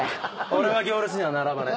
俺は行列には並ばねえ。